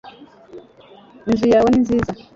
inzu yawe ni nziza